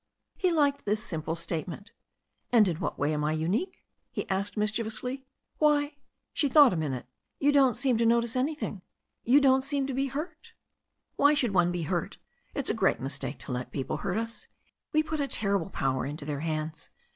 He liked this simple statement. 'In what way am I unique ?" he asked mischievously. 'Why," — she thought a moment — "you don't seem to notice anything. You don't seem to be hurt." "Why should one be hurt? It's a great mistake to let people hurt us. We put a terrible power into their hands.